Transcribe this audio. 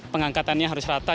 pengangkatannya harus rata